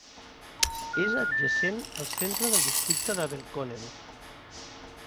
És adjacent al centre del districte de Belconnen.